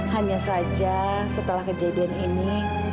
hanya saja setelah kejadian ini